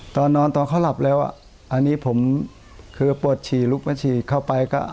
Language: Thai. ตอนนอนตอนเขาหลับแล้วอ่ะอันนี้ผมคือปวดฉี่ลุกมาฉี่เข้าไปก็